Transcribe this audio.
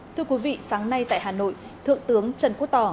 thưa quý vị sáng nay tại hà nội thượng tướng trần quốc tỏ